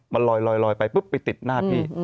มันลอยไปปุ๊บไปติดหน้าพี่